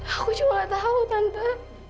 aku cuma tau tante